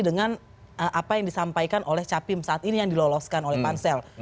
dengan apa yang disampaikan oleh capim saat ini yang diloloskan oleh pansel